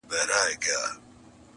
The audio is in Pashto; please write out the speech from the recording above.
ما و شیخ بېګا له یو خومه چيښله,